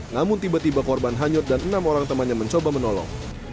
namun tiba tiba korban hanyut dan enam orang temannya mencoba menolong